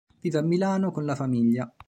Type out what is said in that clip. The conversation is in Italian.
Vive a Milano con la famiglia.